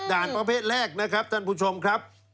ประเภทแรกนะครับท่านผู้ชมครับ